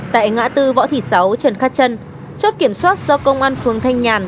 tại ngã tư võ thị sáu trần khát trân chốt kiểm soát do công an phường thanh nhàn